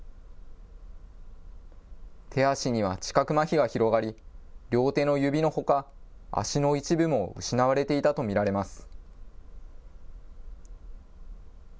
手足には知覚まひが広がり、両手の指のほか、足の一部も失われていたと見られます。